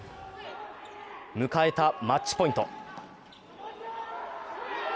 迎えたマッチポイント。